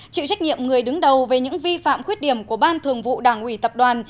chịu trách nhiệm người đứng đầu về những vi phạm khuyết điểm của ban thường vụ đảng ủy tập đoàn